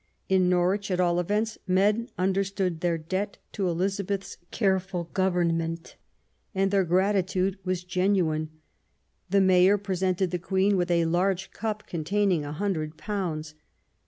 In Norwich, at all events, men under stood their debt to Elizabeth's careful government, and their gratitude was genuine. The Mayor presented the Queen with a large cup, containing a hundred pounds.